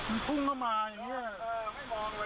มันพรุ่งมามาอย่างนี้แล้วมันกลับไหมเปล่า